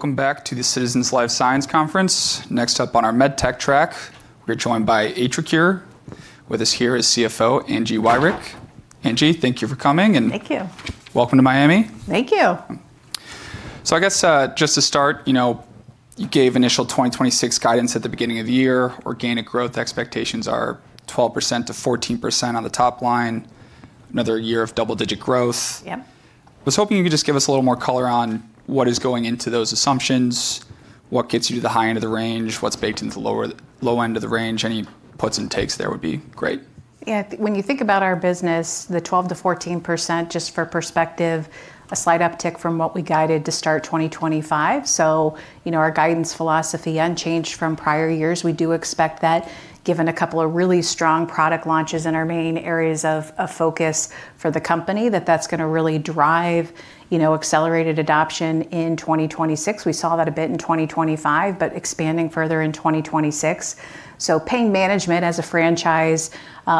Welcome back to the Citizens Life Sciences Conference. Next up on our MedTech track, we're joined by AtriCure. With us here is CFO Angie Wirick. Angie, thank you for coming and. Thank you. Welcome to Miami. Thank you. I guess, just to start, you know, you gave initial 2026 guidance at the beginning of the year. Organic growth expectations are 12%-14% on the top line, another year of double-digit growth. Yep. I was hoping you could just give us a little more color on what is going into those assumptions, what gets you to the high end of the range, what's baked into the low end of the range. Any puts and takes there would be great. Yeah. When you think about our business, the 12%-14%, just for perspective, a slight uptick from what we guided to start 2025. You know, our guidance philosophy unchanged from prior years. We do expect that given a couple of really strong product launches in our main areas of focus for the company, that that's gonna really drive, you know, accelerated adoption in 2026. We saw that a bit in 2025, but expanding further in 2026. Pain management as a franchise,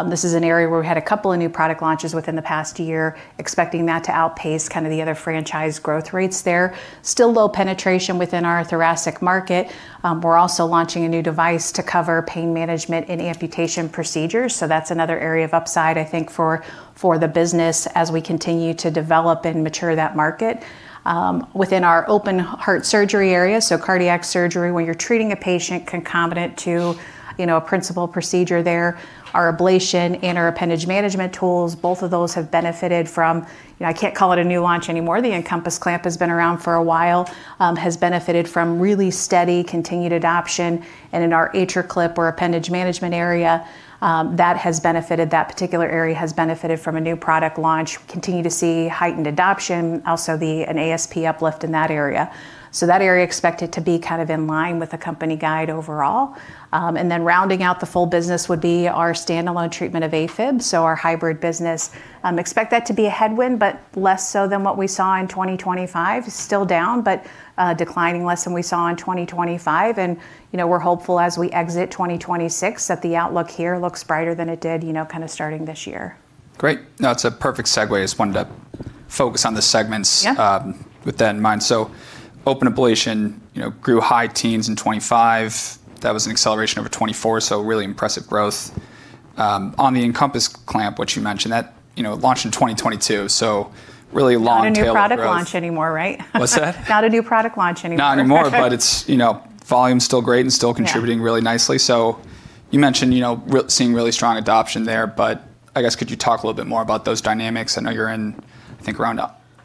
this is an area where we had a couple of new product launches within the past year, expecting that to outpace kind of the other franchise growth rates there. Still low penetration within our thoracic market. We're also launching a new device to cover pain management in amputation procedures, so that's another area of upside, I think for the business as we continue to develop and mature that market. Within our open heart surgery area, so cardiac surgery, when you're treating a patient concomitant to, you know, a principal procedure there, our ablation and our appendage management tools, both of those have benefited from, you know, I can't call it a new launch anymore. The EnCompass clamp has been around for a while, has benefited from really steady continued adoption. In our AtriClip or appendage management area, that particular area has benefited from a new product launch. We continue to see heightened adoption, also an ASP uplift in that area. That area expected to be kind of in line with the company guide overall. Rounding out the full business would be our standalone treatment of Afib, so our hybrid business. Expect that to be a headwind, but less so than what we saw in 2025. Still down, but declining less than we saw in 2025. You know, we're hopeful as we exit 2026 that the outlook here looks brighter than it did, you know, kind of starting this year. Great. No, it's a perfect segue as wanted to focus on the segments. Yeah With that in mind. Open ablation, you know, grew high teens in 2025. That was an acceleration over 2024, so really impressive growth. On the EnCompass clamp, which you mentioned, that, you know, launched in 2022, so really long tail of growth. Not a new product launch anymore, right? What's that? Not a new product launch anymore, correct? Not anymore, but it's, you know, volume's still great and still contributing. Yeah really nicely. You mentioned, you know, seeing really strong adoption there, but I guess could you talk a little bit more about those dynamics? I know you're in, I think around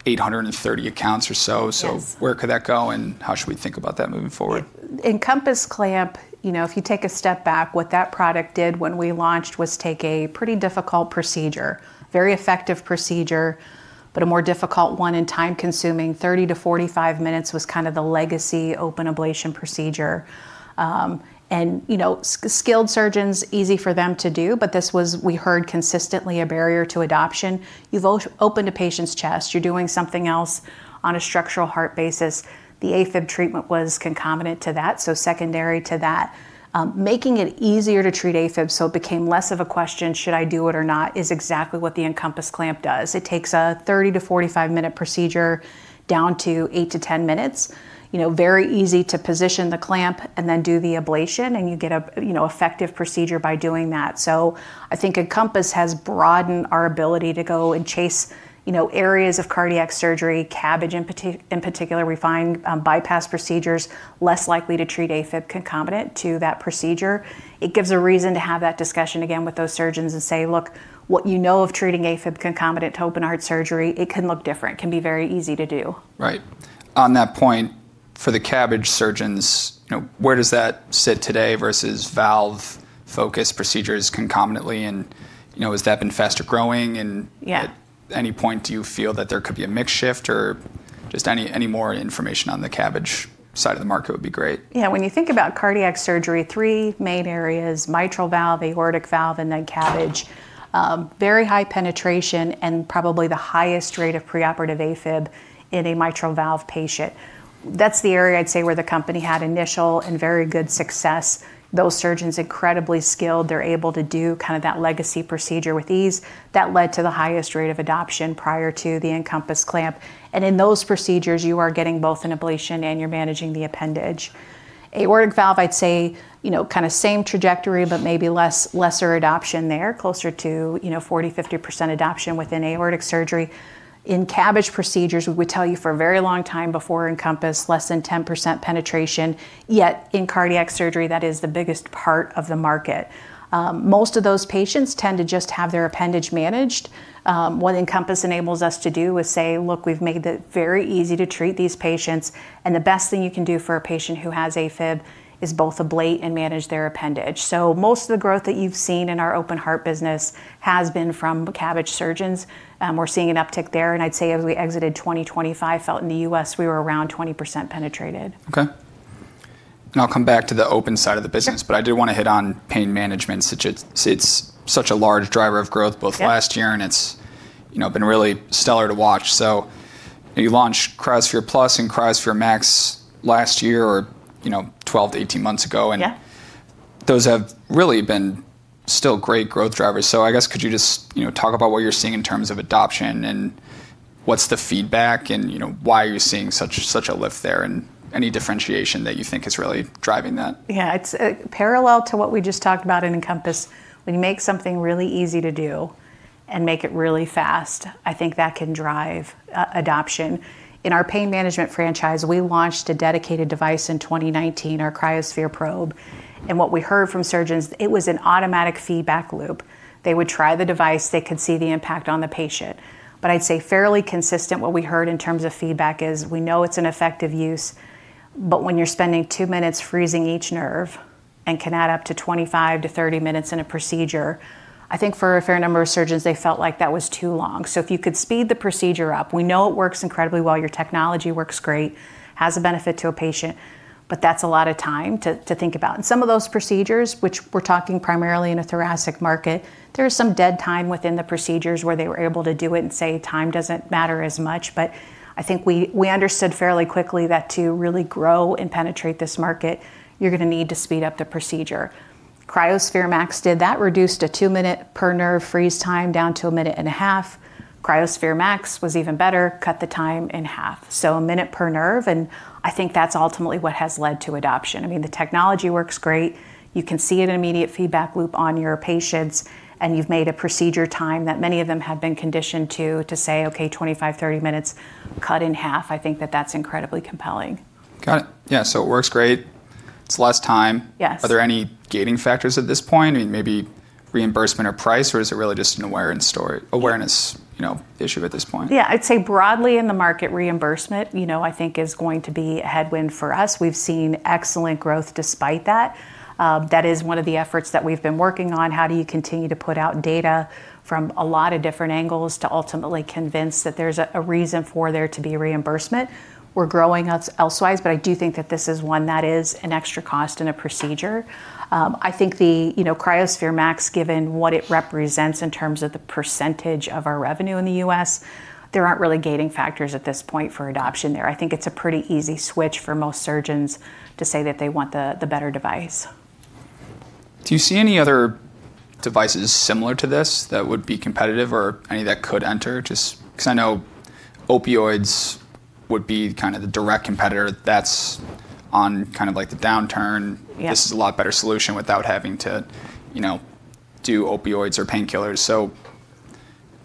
830 accounts or so. Yes. Where could that go, and how should we think about that moving forward? EnCompass clamp, you know, if you take a step back, what that product did when we launched was take a pretty difficult procedure, very effective procedure, but a more difficult one and time-consuming. 30-45 minutes was kind of the legacy open ablation procedure. Skilled surgeons, easy for them to do, but this was, we heard consistently, a barrier to adoption. You've opened a patient's chest, you're doing something else on a structural heart basis. The Afib treatment was concomitant to that, so secondary to that. Making it easier to treat Afib, so it became less of a question, should I do it or not, is exactly what the EnCompass clamp does. It takes a 30-45-minute procedure down to eight to 10 minutes. You know, very easy to position the clamp and then do the ablation, and you get a you know effective procedure by doing that. I think EnCompass has broadened our ability to go and chase, you know, areas of cardiac surgery, CABG in particular, refined bypass procedures, less likely to treat Afib concomitant to that procedure. It gives a reason to have that discussion again with those surgeons and say, "Look, what you know of treating Afib concomitant to open heart surgery, it can look different. It can be very easy to do. Right. On that point, for the CABG surgeons, you know, where does that sit today versus valve-focused procedures concomitantly? You know, has that been faster growing and- Yeah At any point, do you feel that there could be a mix shift or just any more information on the CABG side of the market would be great. Yeah. When you think about cardiac surgery, three main areas, mitral valve, aortic valve, and then CABG. Very high penetration and probably the highest rate of preoperative Afib in a mitral valve patient. That's the area I'd say where the company had initial and very good success. Those surgeons, incredibly skilled, they're able to do kind of that legacy procedure with ease. That led to the highest rate of adoption prior to the EnCompass clamp. In those procedures, you are getting both an ablation and you're managing the appendage. Aortic valve, I'd say, you know, kinda same trajectory, but maybe lesser adoption there, closer to, you know, 40%, 50% adoption within aortic surgery. In CABG procedures, we would tell you for a very long time before EnCompass, less than 10% penetration, yet in cardiac surgery, that is the biggest part of the market. Most of those patients tend to just have their appendage managed. What EnCompass enables us to do is say, "Look, we've made it very easy to treat these patients, and the best thing you can do for a patient who has Afib is both ablate and manage their appendage." Most of the growth that you've seen in our open heart business has been from CABG surgeons. We're seeing an uptick there, and I'd say as we exited 2025, felt in the U.S. we were around 20% penetrated. Okay. I'll come back to the open side of the business. Sure. I do wanna hit on pain management since it's such a large driver of growth both- Yeah Last year, it's, you know, been really stellar to watch. You launched cryoSPHERE+ and cryoSPHERE MAX last year or, you know, 12-18 months ago. Yeah Those have really been still great growth drivers. I guess could you just, you know, talk about what you're seeing in terms of adoption, and what's the feedback, and, you know, why are you seeing such a lift there, and any differentiation that you think is really driving that? Yeah. It's parallel to what we just talked about in EnCompass. When you make something really easy to do and make it really fast, I think that can drive adoption. In our pain management franchise, we launched a dedicated device in 2019, our cryoSPHERE probe. What we heard from surgeons, it was an automatic feedback loop. They would try the device, they could see the impact on the patient. I'd say fairly consistent what we heard in terms of feedback is we know it's an effective use, but when you're spending two minutes freezing each nerve and can add up to 25-30 minutes in a procedure, I think for a fair number of surgeons, they felt like that was too long. If you could speed the procedure up, we know it works incredibly well, your technology works great, has a benefit to a patient, but that's a lot of time to think about. Some of those procedures, which we're talking primarily in a thoracic market, there is some dead time within the procedures where they were able to do it and say time doesn't matter as much. I think we understood fairly quickly that to really grow and penetrate this market, you're gonna need to speed up the procedure. cryoSPHERE MAX did that, reduced a two-minute per nerve freeze time down to a minute and a half. cryoSPHERE MAX was even better, cut the time in half. A minute per nerve, and I think that's ultimately what has led to adoption. I mean, the technology works great. You can see an immediate feedback loop on your patients, and you've made a procedure time that many of them have been conditioned to say, okay, 25, 30 minutes cut in half. I think that that's incredibly compelling. Got it. Yeah. It works great. It's less time. Yes. Are there any gating factors at this point? I mean, maybe reimbursement or price, or is it really just an awareness, you know, issue at this point? Yeah. I'd say broadly in the market reimbursement, you know, I think is going to be a headwind for us. We've seen excellent growth despite that. That is one of the efforts that we've been working on. How do you continue to put out data from a lot of different angles to ultimately convince that there's a reason for there to be reimbursement? We're growing elsewhere, but I do think that this is one that is an extra cost in a procedure. I think the, you know, cryoSPHERE MAX, given what it represents in terms of the percentage of our revenue in the U.S., there aren't really gating factors at this point for adoption there. I think it's a pretty easy switch for most surgeons to say that they want the better device. Do you see any other devices similar to this that would be competitive or any that could enter just 'cause I know opioids would be kind of the direct competitor that's on kind of like the downturn? Yeah. This is a lot better solution without having to, you know, do opioids or painkillers.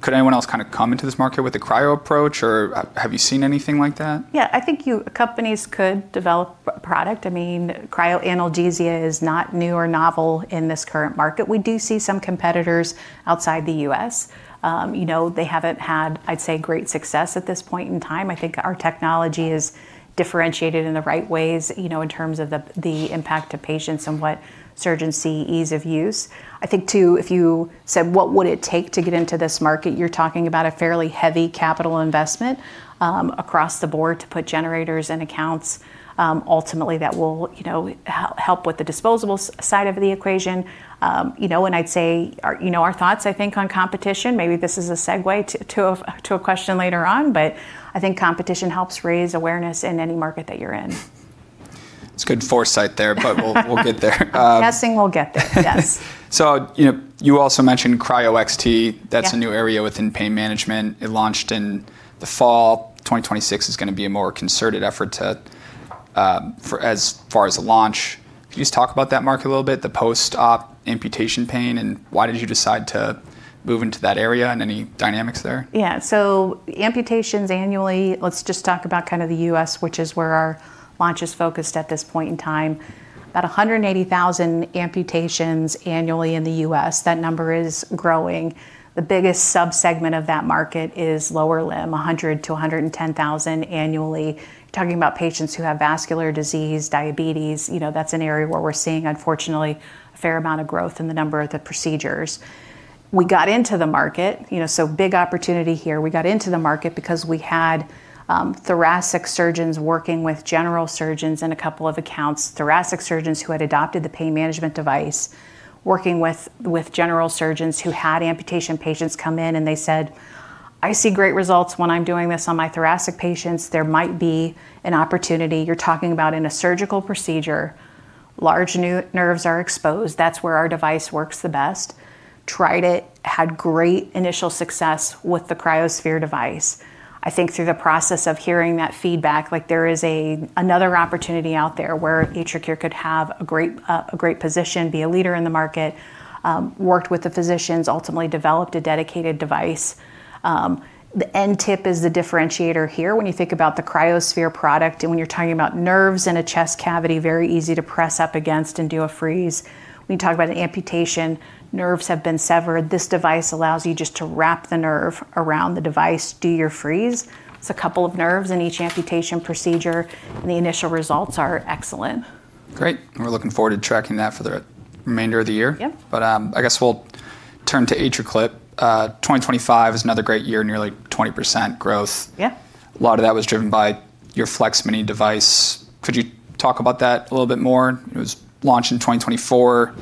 Could anyone else kind of come into this market with a cryo approach, or have you seen anything like that? Yeah. I think companies could develop a product. I mean, cryoanalgesia is not new or novel in this current market. We do see some competitors outside the U.S. You know, they haven't had, I'd say, great success at this point in time. I think our technology is differentiated in the right ways, you know, in terms of the impact to patients and what surgeons see, ease of use. I think too, if you said, what would it take to get into this market? You're talking about a fairly heavy capital investment across the board to put generators and accounts, ultimately that will, you know, help with the disposable side of the equation. You know, I'd say our, you know, our thoughts, I think, on competition. Maybe this is a segue to a question later on, but I think competition helps raise awareness in any market that you're in. It's good foresight but we'll get there. I'm guessing we'll get there. Yes. You know, you also mentioned cryoXT. Yeah. That's a new area within pain panagement. It launched in the fall. 2026 is gonna be a more concerted effort to, for as far as the launch. Can you just talk about that market a little bit, the post-op amputation pain, and why did you decide to move into that area, and any dynamics there? Yeah. Amputations annually, let's just talk about kind of the U.S., which is where our launch is focused at this point in time. About 180,000 amputations annually in the U.S. That number is growing. The biggest subsegment of that market is lower limb, 100,000-110,000 annually. Talking about patients who have vascular disease, diabetes, you know, that's an area where we're seeing, unfortunately, a fair amount of growth in the number of the procedures. We got into the market, you know, so big opportunity here. We got into the market because we had thoracic surgeons working with general surgeons in a couple of accounts. Thoracic surgeons who had adopted the pain management device working with general surgeons who had amputation patients come in and they said, "I see great results when I'm doing this on my thoracic patients. There might be an opportunity." You're talking about in a surgical procedure, large nerves are exposed. That's where our device works the best. Tried it, had great initial success with the cryoSPHERE device. I think through the process of hearing that feedback, like there is another opportunity out there where AtriCure could have a great position, be a leader in the market. Worked with the physicians, ultimately developed a dedicated device. The end tip is the differentiator here. When you think about the cryoSPHERE product and when you're talking about nerves in a chest cavity, very easy to press up against and do a freeze. When you talk about an amputation, nerves have been severed. This device allows you just to wrap the nerve around the device, do your freeze. It's a couple of nerves in each amputation procedure, and the initial results are excellent. Great. We're looking forward to tracking that for the remainder of the year. Yeah. I guess we'll turn to AtriClip. 2025 is another great year, nearly 20% growth. Yeah. A lot of that was driven by your AtriClip FLEX-Mini device. Could you talk about that a little bit more? It was launched in 2024.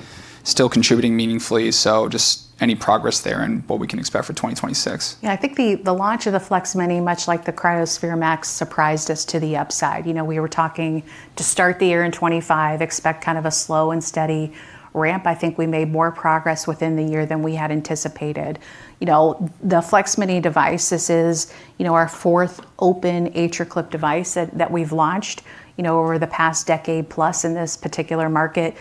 Still contributing meaningfully. Just any progress there and what we can expect for 2026. Yeah, I think the launch of the AtriClip FLEX-Mini, much like the cryoSPHERE MAX, surprised us to the upside. You know, we were talking to start the year in 2025, expect kind of a slow and steady ramp. I think we made more progress within the year than we had anticipated. You know, the AtriClip FLEX-Mini device, this is, you know, our fourth open AtriClip device that we've launched, you know, over the past decade plus in this particular market.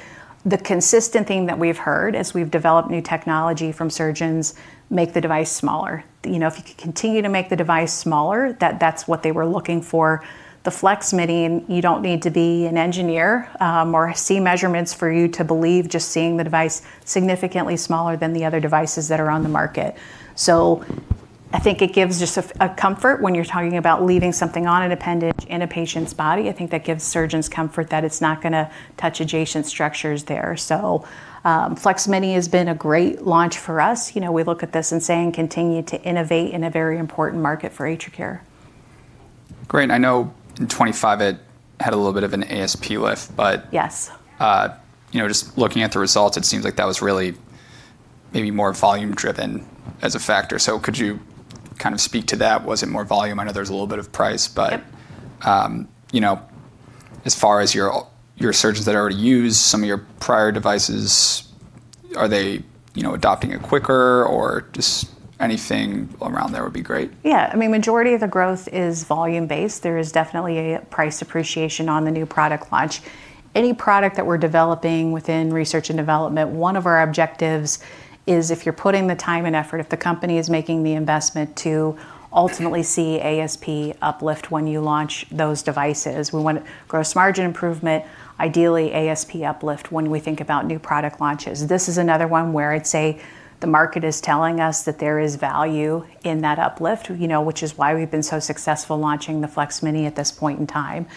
The consistent theme that we've heard as we've developed new technology from surgeons, make the device smaller. You know, if you could continue to make the device smaller, that's what they were looking for. The AtriClip FLEX-Mini, you don't need to be an engineer or see measurements for you to believe just seeing the device significantly smaller than the other devices that are on the market. I think it gives just a comfort when you're talking about leaving something on an appendage in a patient's body. I think that gives surgeons comfort that it's not gonna touch adjacent structures there. AtriClip FLEX-Mini has been a great launch for us. You know, we look at this and saying continue to innovate in a very important market for AtriCure. Great. I know in 2025 it had a little bit of an ASP lift, but. Yes you know, just looking at the results, it seems like that was really maybe more volume driven as a factor. Could you kind of speak to that? Was it more volume? I know there's a little bit of price, but. Yep You know, as far as your surgeons that already use some of your prior devices, are they, you know, adopting it quicker or just anything around there would be great. Yeah. I mean, majority of the growth is volume-based. There is definitely a price appreciation on the new product launch. Any product that we're developing within research and development, one of our objectives is if you're putting the time and effort, if the company is making the investment to ultimately see ASP uplift when you launch those devices. We want gross margin improvement, ideally ASP uplift when we think about new product launches. This is another one where I'd say the market is telling us that there is value in that uplift, you know, which is why we've been so successful launching the AtriClip FLEX-Mini at this point in time.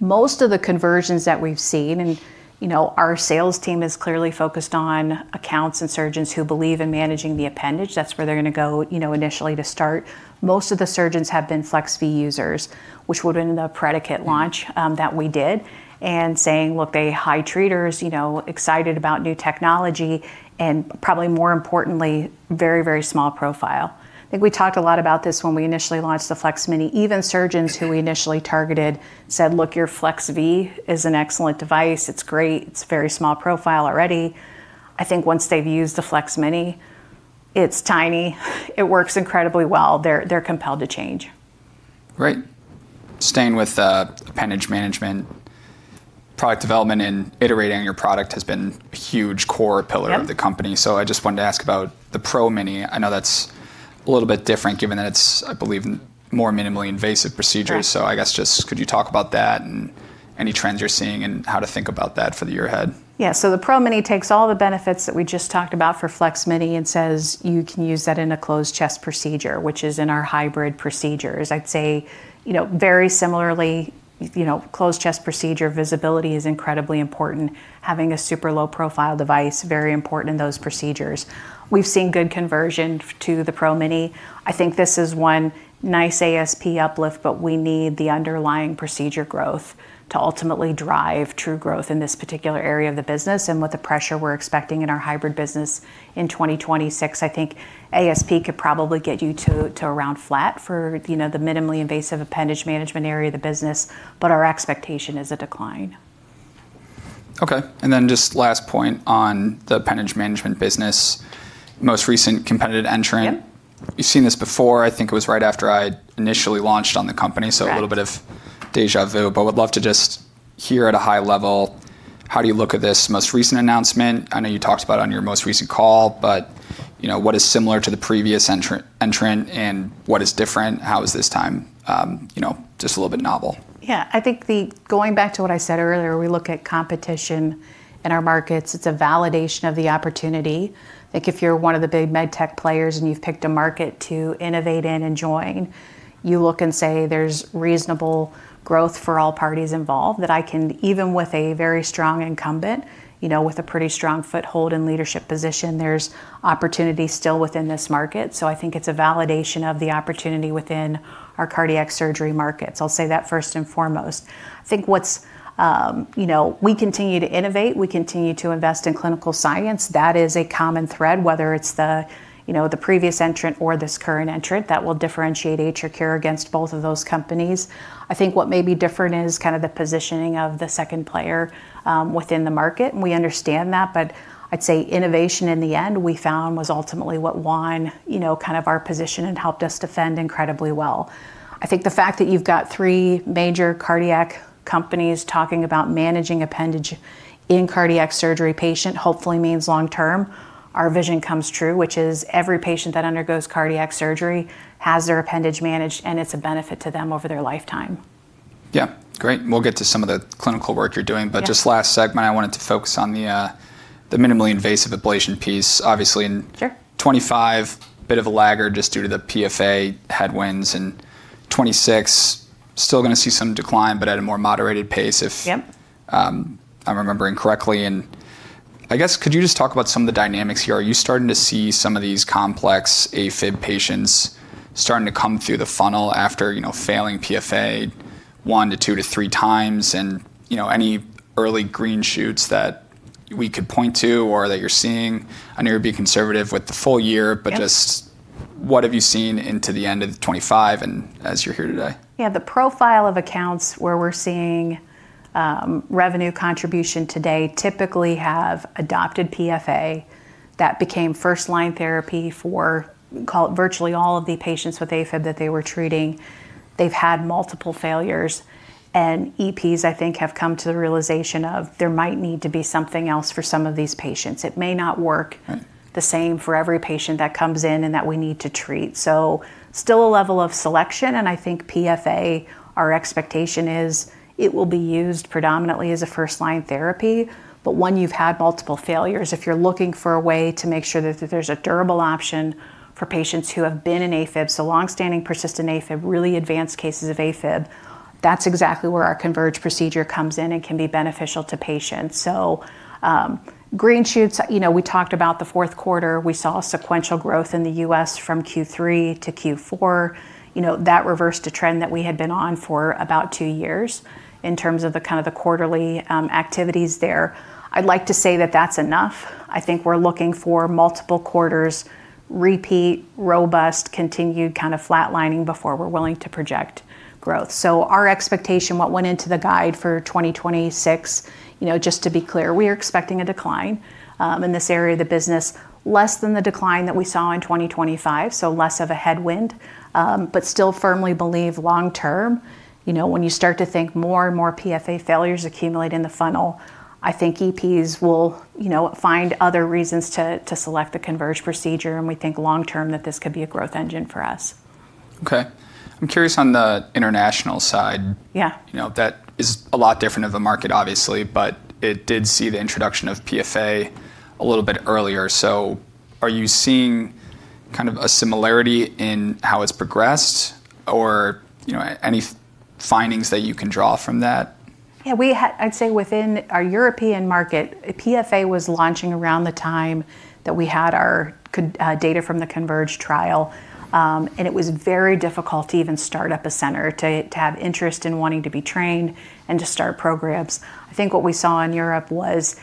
Most of the conversions that we've seen and, you know, our sales team is clearly focused on accounts and surgeons who believe in managing the appendage. That's where they're gonna go, you know, initially to start. Most of the surgeons have been AtriClip FLEX•V users, which would've been the predicate launch that we did, and saying, look, they're high treaters, you know, excited about new technology and probably more importantly, very, very small profile. I think we talked a lot about this when we initially launched the AtriClip FLEX-Mini. Even surgeons who we initially targeted said, "Look, your AtriClip FLEX•V is an excellent device. It's great. It's very small profile already." I think once they've used the AtriClip FLEX-Mini, it's tiny, it works incredibly well. They're compelled to change. Great. Staying with appendage management, product development and iterating your product has been a huge core pillar- Yeah of the company. I just wanted to ask about the AtriClip PRO-Mini. I know that's a little bit different given that it's, I believe, more minimally invasive procedures. Yeah. I guess just could you talk about that and any trends you're seeing and how to think about that for the year ahead? Yeah. The AtriClip PRO-Mini takes all the benefits that we just talked about for AtriClip FLEX-Mini and says you can use that in a closed chest procedure, which is in our hybrid procedures. I'd say, you know, very similarly, you know, closed chest procedure visibility is incredibly important, having a super low profile device, very important in those procedures. We've seen good conversion to the AtriClip PRO-Mini. I think this is one nice ASP uplift, but we need the underlying procedure growth to ultimately drive true growth in this particular area of the business and with the pressure we're expecting in our hybrid business in 2026. I think ASP could probably get you to around flat for, you know, the minimally invasive appendage management area of the business, but our expectation is a decline. Okay. Just last point on the appendage management business. Most recent competitive entrant. Yep. You've seen this before. I think it was right after I initially launched on the company. Right. A little bit of déjà vu, but would love to just hear at a high level how do you look at this most recent announcement? I know you talked about it on your most recent call, but you know, what is similar to the previous entrant and what is different? How is this time, you know, just a little bit novel? Yeah. I think going back to what I said earlier, we look at competition in our markets. It's a validation of the opportunity. Like if you're one of the big MedTech players and you've picked a market to innovate in and join, you look and say there's reasonable growth for all parties involved even with a very strong incumbent, you know, with a pretty strong foothold and leadership position, there's opportunity still within this market. I think it's a validation of the opportunity within our cardiac surgery markets. I'll say that first and foremost. I think what's. You know, we continue to innovate, we continue to invest in clinical science. That is a common thread, whether it's the, you know, the previous entrant or this current entrant that will differentiate AtriCure against both of those companies. I think what may be different is kind of the positioning of the second player, within the market, and we understand that. I'd say innovation in the end, we found, was ultimately what won, you know, kind of our position and helped us defend incredibly well. I think the fact that you've got three major cardiac companies talking about managing appendage in cardiac surgery patient hopefully means long term our vision comes true, which is every patient that undergoes cardiac surgery has their appendage managed, and it's a benefit to them over their lifetime. Yeah. Great. We'll get to some of the clinical work you're doing. Yeah. Just last segment, I wanted to focus on the minimally invasive ablation piece. Obviously in- Sure... 2025, bit of a lag or just due to the PFA headwinds. In 2026, still gonna see some decline, but at a more moderated pace if- Yep If I'm remembering correctly. I guess could you just talk about some of the dynamics here? Are you starting to see some of these complex Afib patients starting to come through the funnel after, you know, failing PFA one to three times and, you know, any early green shoots that we could point to or that you're seeing. I know you're being conservative with the full year. Yep. Just what have you seen into the end of 2025 and as you're here today? Yeah. The profile of accounts where we're seeing revenue contribution today typically have adopted PFA that became first line therapy for call it virtually all of the patients with Afib that they were treating. They've had multiple failures, and EPs, I think, have come to the realization that there might need to be something else for some of these patients. It may not work. Mm. The same for every patient that comes in and that we need to treat. Still a level of selection, and I think PFA, our expectation is it will be used predominantly as a first line therapy. When you've had multiple failures, if you're looking for a way to make sure that there's a durable option for patients who have been in Afib, so long-standing persistent Afib, really advanced cases of Afib, that's exactly where our CONVERGE procedure comes in and can be beneficial to patients. Green shoots, you know, we talked about the fourth quarter. We saw sequential growth in the U.S. from Q3 to Q4. You know, that reversed a trend that we had been on for about two years in terms of the kind of the quarterly activities there. I'd like to say that that's enough. I think we're looking for multiple quarters, robust, continued kind of flatlining before we're willing to project growth. Our expectation, what went into the guide for 2026, you know, just to be clear, we are expecting a decline in this area of the business, less than the decline that we saw in 2025, so less of a headwind. Still firmly believe long term, you know, when you start to think more and more PFA failures accumulate in the funnel, I think EPs will, you know, find other reasons to select the CONVERGE procedure, and we think long term that this could be a growth engine for us. Okay. I'm curious on the international side. Yeah. You know, that is a lot different of a market obviously, but it did see the introduction of PFA a little bit earlier. Are you seeing kind of a similarity in how it's progressed or, you know, any findings that you can draw from that? Yeah. I'd say within our European market, PFA was launching around the time that we had our data from the CONVERGE trial. It was very difficult to even start up a center to have interest in wanting to be trained and to start programs. I think what we saw in Europe was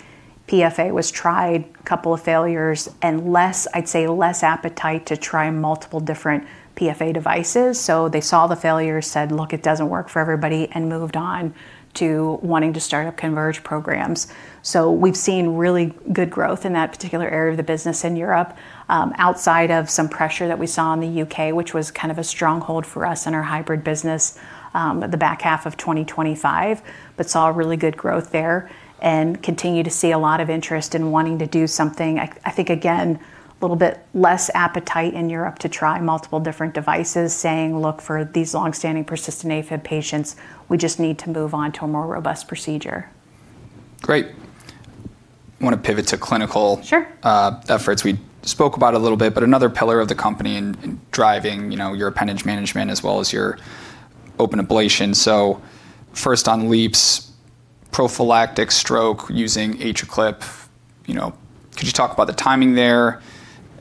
PFA was tried, couple of failures and less, I'd say, less appetite to try multiple different PFA devices. They saw the failures, said, "Look, it doesn't work for everybody," and moved on to wanting to start up CONVERGE programs. We've seen really good growth in that particular area of the business in Europe, outside of some pressure that we saw in the U.K., which was kind of a stronghold for us in our hybrid business, the back half of 2025, but saw really good growth there and continue to see a lot of interest in wanting to do something. I think, again, a little bit less appetite in Europe to try multiple different devices saying, "Look, for these long-standing persistent Afib patients, we just need to move on to a more robust procedure. Great. I wanna pivot to clinical- Sure. Efforts we spoke about a little bit, but another pillar of the company in driving, you know, your appendage management as well as your open ablation. First on LeAAPS prophylactic stroke using AtriClip, you know, could you talk about the timing there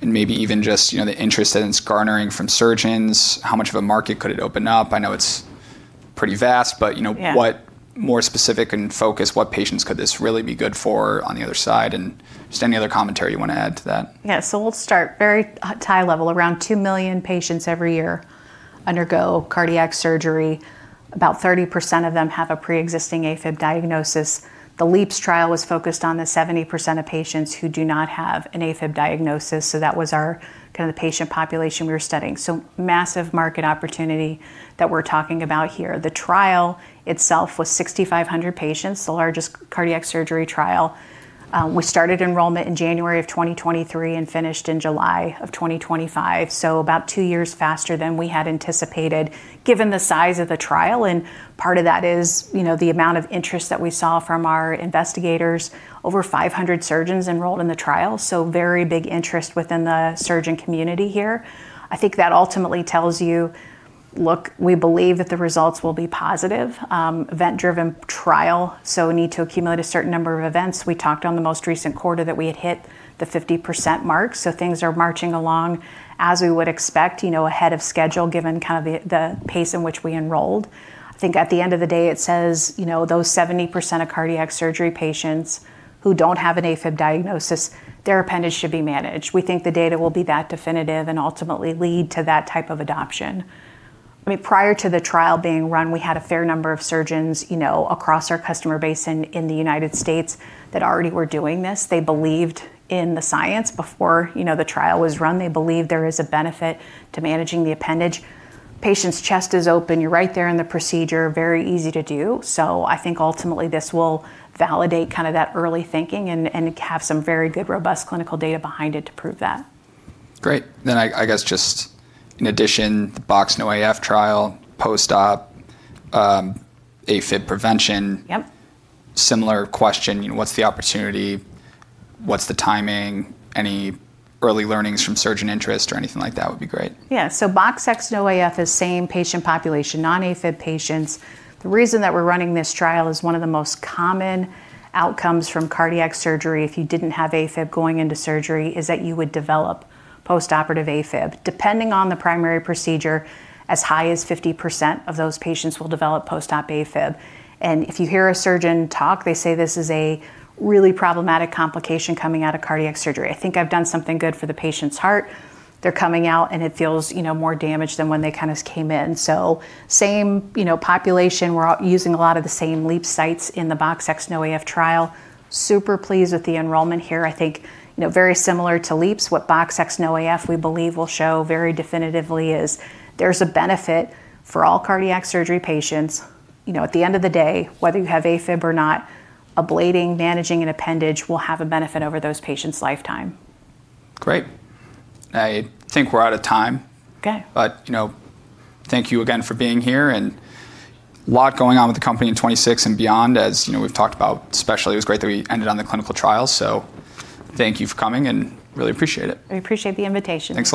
and maybe even just, you know, the interest that it's garnering from surgeons? How much of a market could it open up? I know it's pretty vast, but, you know. Yeah. What more specific and focused, what patients could this really be good for on the other side? Just any other commentary you wanna add to that. Yeah. We'll start very high level. Around 2 million patients every year undergo cardiac surgery. About 30% of them have a preexisting Afib diagnosis. The LeAAPS trial was focused on the 70% of patients who do not have an Afib diagnosis, so that was our kinda the patient population we were studying. Massive market opportunity that we're talking about here. The trial itself was 6,500 patients, the largest cardiac surgery trial. We started enrollment in January 2023 and finished in July 2025, so about two years faster than we had anticipated given the size of the trial, and part of that is, you know, the amount of interest that we saw from our investigators. Over 500 surgeons enrolled in the trial, so very big interest within the surgeon community here. I think that ultimately tells you, look, we believe that the results will be positive, event-driven trial, so need to accumulate a certain number of events. We talked on the most recent quarter that we had hit the 50% mark, so things are marching along as we would expect, you know, ahead of schedule given kind of the pace in which we enrolled. I think at the end of the day, it says, you know, those 70% of cardiac surgery patients who don't have an Afib diagnosis, their appendage should be managed. We think the data will be that definitive and ultimately lead to that type of adoption. I mean, prior to the trial being run, we had a fair number of surgeons, you know, across our customer base in the United States that already were doing this. They believed in the science before, you know, the trial was run. They believe there is a benefit to managing the appendage. Patient's chest is open. You're right there in the procedure, very easy to do. I think ultimately this will validate kinda that early thinking and have some very good, robust clinical data behind it to prove that. Great. I guess just in addition, the BoxX-NoAF trial, post-op Afib prevention. Yep. Similar question, you know, what's the opportunity? What's the timing? Any early learnings from surgeon interest or anything like that would be great. Yeah. BoxX-NoAF is same patient population, non-Afib patients. The reason that we're running this trial is one of the most common outcomes from cardiac surgery if you didn't have Afib going into surgery, is that you would develop postoperative Afib. Depending on the primary procedure, as high as 50% of those patients will develop post-op Afib. If you hear a surgeon talk, they say this is a really problematic complication coming out of cardiac surgery. I think I've done something good for the patient's heart. They're coming out, and it feels, you know, more damaged than when they kinda came in. Same, you know, population. We're using a lot of the same LeAAPS sites in the BoxX-NoAF trial. Super pleased with the enrollment here. I think, you know, very similar to LeAAPS, what BoxX-NoAF we believe will show very definitively is there's a benefit for all cardiac surgery patients. You know, at the end of the day, whether you have Afib or not, ablating, managing an appendage will have a benefit over those patients' lifetime. Great. I think we're out of time. Okay. you know, thank you again for being here and a lot going on with the company in 2026 and beyond, as, you know, we've talked about, especially, it was great that we ended on the clinical trial. Thank you for coming and really appreciate it. I appreciate the invitation. Thanks a lot.